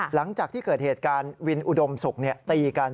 หลังจากที่เกิดเหตุการณ์วินอุดมศุกร์ตีกัน